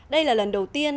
đây là lần đầu tiên